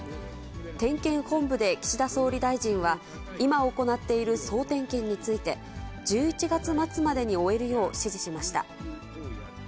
点検本部で岸田総理大臣は、今行っている総点検について、１１月末までに終えるよう指示しました。